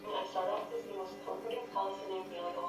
Vinaonyesha kuwa nchi iko kwenye hatari kubwa.